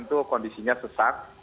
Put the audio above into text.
itu kondisinya sesak